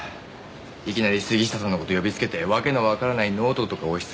いきなり杉下さんの事呼びつけて訳のわからないノートとか押しつけて。